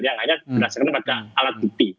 yang hanya berdasarkan pada alat bukti